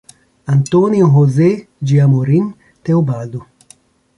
Antônio José de Amorim Teobaldo